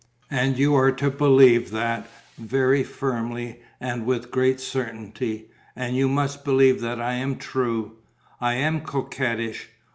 And you are to believe that, very firmly and with great certainty, and you must believe that I am true. I am coquettish